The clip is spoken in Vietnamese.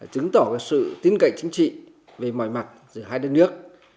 chứng tỏ sự tin cậy chính trị về mọi mặt giữa hai đất nước